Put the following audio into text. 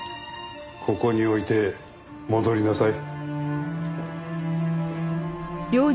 ここに置いて戻りなさい。